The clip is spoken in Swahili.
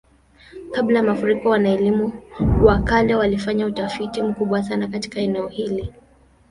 Kabla ya mafuriko, wana-elimu wa kale walifanya utafiti mkubwa sana katika eneo hili.